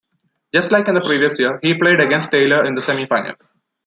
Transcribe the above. Just like in the previous year, he played against Taylor in the semi-final.